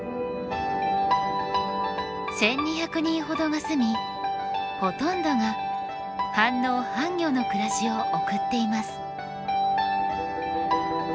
１，２００人ほどが住みほとんどが半農半漁の暮らしを送っています。